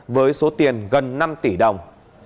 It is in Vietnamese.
với số tiền gần năm tỷ đồng